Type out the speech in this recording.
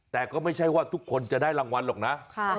แต่ก็ไม่ใช่ว่าทุกคนจะได้รางวัลหรอกนะ